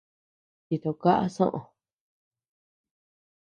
Chito kaʼa soʼö.